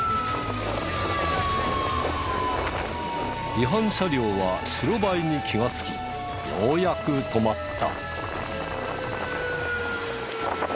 違反車両は白バイに気がつきようやく止まった。